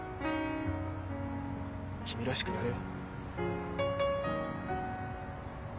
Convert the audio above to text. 君らしくやれよ。